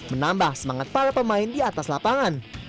menambah semangat para pemain di atas lapangan